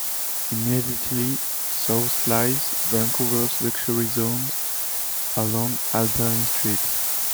Immediately south lies Vancouver's Luxury Zone along Alberni Street.